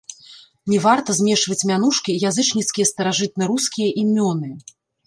Не варта змешваць мянушкі і язычніцкія старажытнарускія імёны.